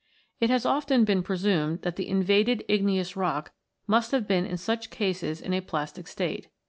It has often been presumed that the invaded igneous rock must have been in such cases in a plastic state.